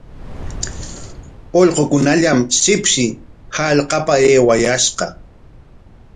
Ullqukunallam shipshi hallqapa aywayashqa.